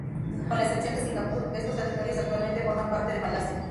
Con la excepción de Singapur, estos territorios actualmente forman parte de Malasia.